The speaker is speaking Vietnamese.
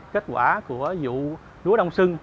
kết quả của vụ đúa đông sưng